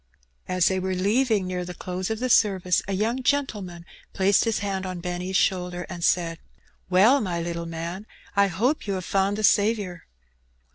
As they were leaving, near the close of the service, a young gentleman placed his hand on Benny's shoulder, and said — Well, my little man, I hope you have found the Saviour.''